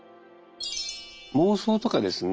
妄想とかですね